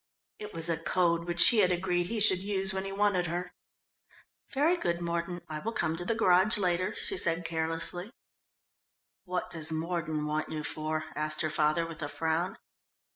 It was a code which she had agreed he should use when he wanted her. "Very good, Mordon, I will come to the garage later," she said carelessly. "What does Mordon want you for?" asked her father, with a frown.